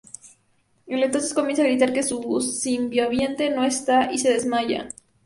Él entonces comienza a gritar que su simbionte no está y se desmaya.